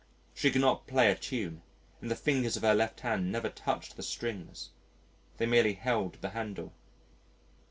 She could not play a tune and the fingers of her left hand never touched the strings they merely held the handle.